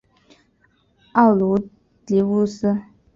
奥卢狄乌斯。